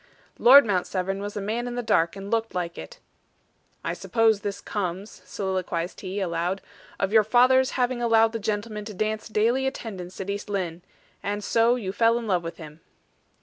Lord Mount Severn was a man in the dark, and looked like it. "I suppose this comes," soliloquized he, aloud, "of your father's having allowed the gentleman to dance daily attendance at East Lynne. And so you fell in love with him."